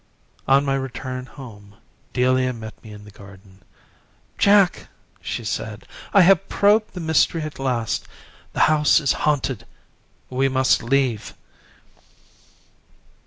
On my return home Delia met me in the garden. 'Jack!' she said, 'I have probed the mystery at last. The house is haunted! We must leave.'